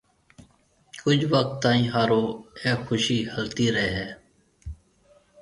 ڪجه وقت تائين هارون اَي خُوشِي هلتِي رهيَ هيَ۔